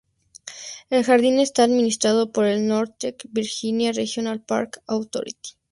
El jardín está administrado por el Northern Virginia Regional Park Authority.